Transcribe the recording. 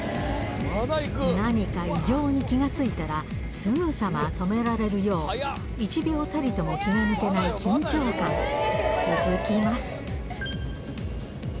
何か異常に気がついたら、すぐさま止められるよう、１秒たりとも気が抜けない緊張感が続きます。